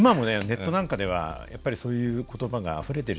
ネットなんかではやっぱりそういう言葉があふれてるじゃないですか。